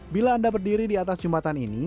bila anda berdiri di atas jembatan ini